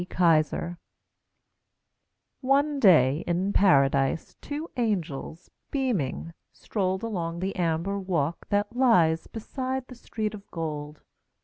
KISER One day, in Paradise, Two angels, beaming, strolled Along the amber walk that lies Beside the street of gold.